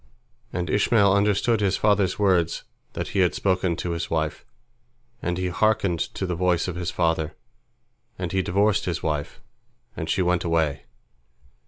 And Ishmael understood his father's words that he had spoken to his wife, and he hearkened to the voice of his father, and he divorced his wife, and she went away.